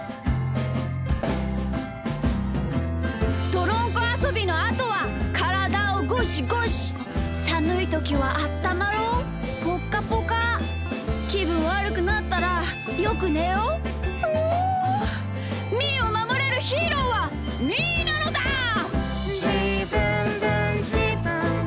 「どろんこあそびのあとはからだをゴシゴシ」「さむいときはあったまろうぽっかぽか」「きぶんわるくなったらよくねよう！」「みーをまもれるヒーローはみーなのだー！」